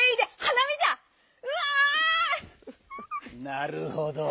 なるほど。